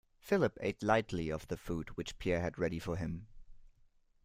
Philip ate lightly of the food which Pierre had ready for him.